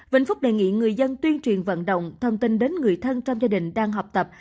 vĩnh phúc đề nghị người dân tuyên truyền vận động thông tin đến người thân trong gia đình đang học tập